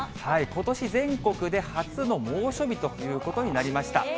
ことし全国で初の猛暑日ということになりました。